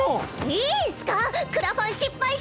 いいんスか⁉クラファン失敗しても！